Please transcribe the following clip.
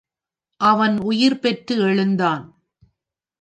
அவன் உயிர் பெற்று எழுந்தான்.